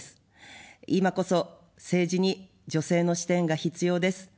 今こそ政治に女性の視点が必要です。